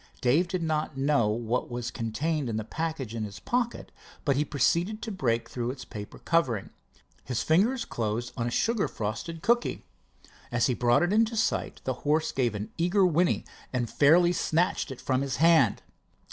Dave did not know what was contained in the package in his pocket, but he proceeded to break through its paper covering. His fingers closed on a sugar frosted cookie. As he brought it into sight the horse gave an eager whinny and fairly snatched it from his hand.